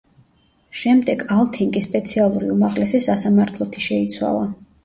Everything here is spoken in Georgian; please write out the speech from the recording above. შემდეგ ალთინგი სპეციალური უმაღლესი სასამართლოთი შეიცვალა.